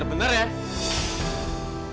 ketua bener bener ya